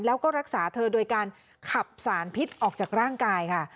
แล้วก็รักษาเธอโดยการขับสารพิษออกจากร่างกายค่ะ